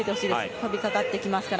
飛びかかってきますから。